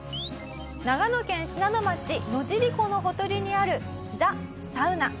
長野県信濃町野尻湖のほとりにあるＴｈｅＳａｕｎａ。